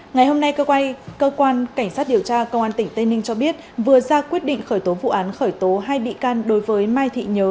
ngày hôm nay cơ quan cảnh sát điều tra công an tỉnh tây ninh cho biết vừa ra quyết định khởi tố vụ án khởi tố hai bị can đối với mai thị nhớ